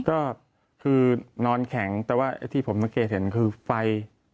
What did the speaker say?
ก็คือนอนแข็งแต่ว่าที่ผมเห็นคือไฟไฟมันออกจากปากชาลี